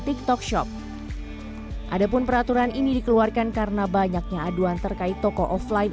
tiktok shop adapun peraturan ini dikeluarkan karena banyaknya aduan terkait toko offline